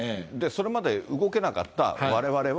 それまで動けなかったわれわれは。